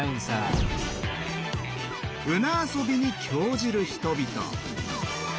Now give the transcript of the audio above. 船遊びに興じる人々。